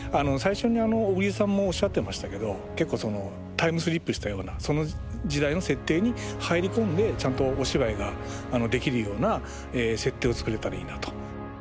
最初に小栗さんもおっしゃってましたけど結構タイムスリップしたようなその時代の設定に入り込んでちゃんとお芝居ができるような設定を作れたらいいなと。